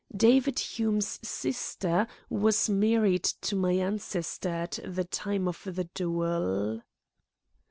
David Hume's sister was married to my ancestor at the time of the duel."